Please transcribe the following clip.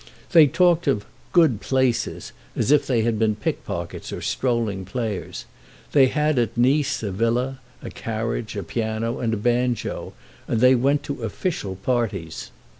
They talked of "good places" as if they had been pickpockets or strolling players. They had at Nice a villa, a carriage, a piano and a banjo, and they went to official parties.